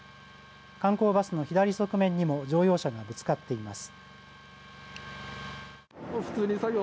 観光バスの左側面にも乗用車がぶつかっています。